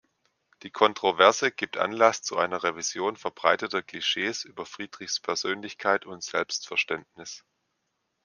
Die Kontroverse gibt Anlass zu einer Revision verbreiteter Klischees über Friedrichs Persönlichkeit und Selbstverständnis.